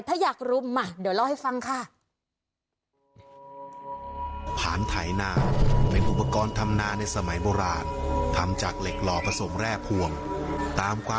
ถ้าอยากรุมมาเดี๋ยวเล่าให้ฟังค่ะ